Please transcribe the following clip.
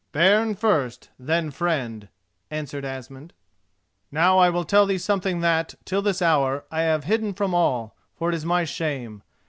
"Bairn first, then friend," answered Asmund. "Now I will tell thee something that, till this hour, I have hidden from all, for it is my shame.